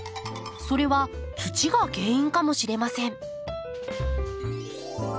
それは土が原因かもしれません。